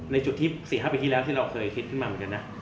ในอย่างส่วนที่๔๕ปีกี่แล้วที่เราเคยเกิดมาเกิดมากกว่านี้นะ